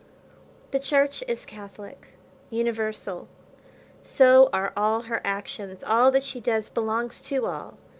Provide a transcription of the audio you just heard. The church is Catholic, universal, so are all her actions; all that she does belongs to all.